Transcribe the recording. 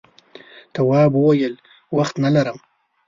تواب وویل وخت نه لرم.